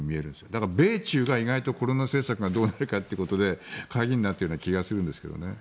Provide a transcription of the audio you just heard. だから米中が意外とコロナ政策がどうなるかということで鍵になっているような気がするんですけどね。